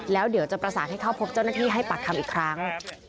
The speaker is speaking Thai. แล้วเดี๋ยวจะประสานให้เข้าพบเจ้าหน้าที่ให้ปากคำอีกครั้ง